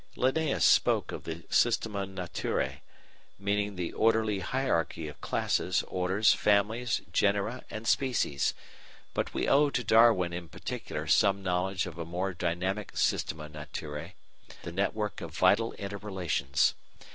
Linnæus spoke of the Systema Naturæ, meaning the orderly hierarchy of classes, orders, families, genera, and species; but we owe to Darwin in particular some knowledge of a more dynamic Systema Naturæ, the network of vital inter relations.